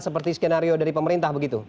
seperti skenario dari pemerintah